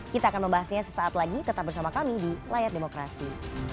kita akan membahasnya sesaat lagi tetap bersama kami di layar demokrasi